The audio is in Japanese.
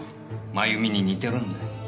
真弓に似てるんだ。